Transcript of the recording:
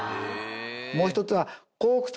もう一つは。